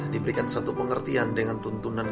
diberikan satu pengertian dengan tuntunan